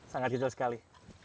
sangat kecil sekali